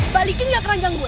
balikin gak keranjang gue